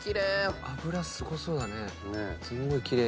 「脂すごそうだね」